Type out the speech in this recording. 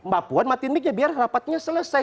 bu puan matin mik ya biar rapatnya selesai